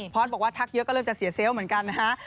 พอสบอกว่าทักเยอะก็เริ่มจะเสียเซลล์เหมือนกันนะฮะ